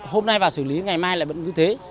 hôm nay vào xử lý ngày mai lại vẫn như thế